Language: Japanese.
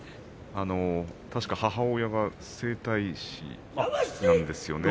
確か母親が整体師なんですよね。